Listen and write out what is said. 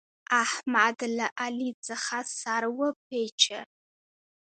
احمد له علي څخه سر وپېچه.